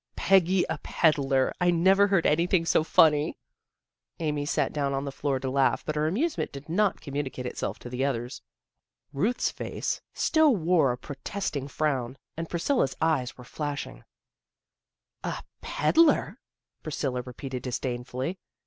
" Peggy a pedler! I never heard anything so funny! " Amy sat down on the floor to laugh, but her amusement did not communi cate itself to the others. Ruth's face still wore 28 THE GIRLS OF FRIENDLY TERRACE a protesting frown, and Priscilla's eyes were flashing. " A pedler! " Priscilla repeated disdainfully.